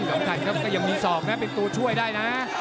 ก็ยังมีสองนะเป็นตัวช่วยได้นะ